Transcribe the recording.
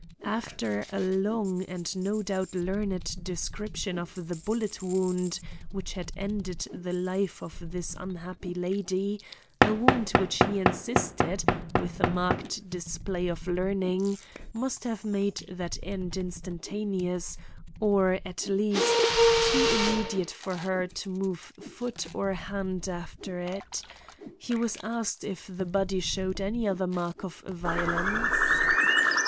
After a long and no doubt learned description of the bullet wound which had ended the life of this unhappy lady,—a wound which he insisted, with a marked display of learning, must have made that end instantaneous or at least too immediate for her to move foot or hand after it,—he was asked if the body showed any other mark of violence.